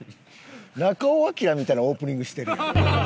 中尾彬みたいなオープニングしてるやん。